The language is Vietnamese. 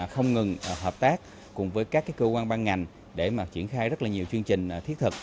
không ngừng hợp tác cùng với các cơ quan ban ngành để triển khai rất là nhiều chương trình thiết thực